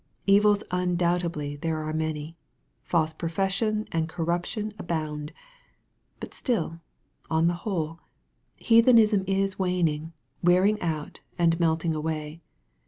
Evils undoubt edly there are many. False profession and corruption abound. But still, on the whole, heathenism is waning, wearing out, and melting away.